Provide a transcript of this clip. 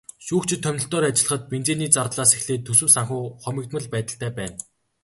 Шүүгчид томилолтоор ажиллахад бензиний зардлаас эхлээд төсөв санхүү хумигдмал байдалтай байна.